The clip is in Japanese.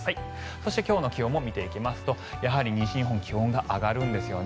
そして今日の気温も見ていきますとやはり西日本気温が上がるんですよね。